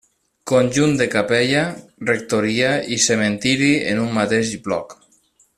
Conjunt de capella, rectoria i cementiri en un mateix bloc.